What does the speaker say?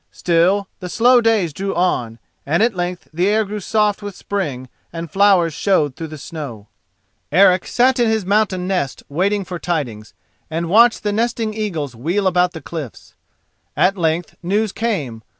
Still, the slow days drew on, and at length the air grew soft with spring, and flowers showed through the snow. Eric sat in his mountain nest waiting for tidings, and watched the nesting eagles wheel about the cliffs. At length news came.